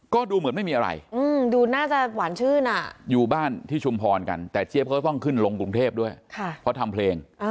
ก็ดูเหมือนไม่มีอะไรอยู่บ้านที่ชุมพรกันแต่เจี๊ยบเขาต้องขึ้นลงกรุงเทพด้วยเพราะทำเพลง